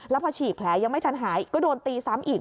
แล้วพอฉีกแผลยังไม่ทันหายก็โดนตีซ้ำอีก